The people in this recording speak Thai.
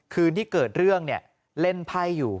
คืนที่เกิดเรื่องเนี่ยเล่นไพ่อยู่